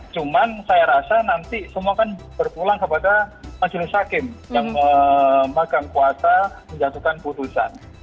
cuman saya rasa nanti semua kan berpulang kepada majelis hakim yang memegang kuasa menjatuhkan putusan